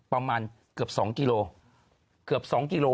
ประมาณเกือบ๒กิโล